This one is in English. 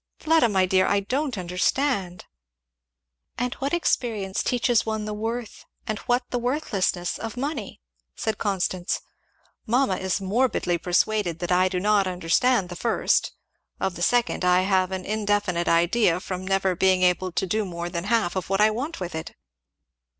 _ Fleda my dear, I don't understand " "And what experience teaches one the worth and what the worthlessness of money?" said Constance; "Mamma is morbidly persuaded that I do not understand the first of the second I have an indefinite idea from never being able to do more than half that I want with it."